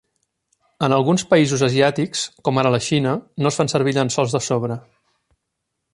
En alguns països asiàtics, com ara a la Xina, no es fan servir llençols de sobre.